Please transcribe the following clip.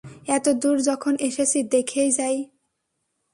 এতদূর যখন এসেছি দেখেই যাই।